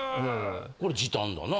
これ時短だな